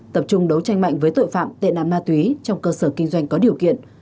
tập trung đấu tranh mạnh với tội phạm tệ nạn ma túy trong cơ sở kinh doanh có điều kiện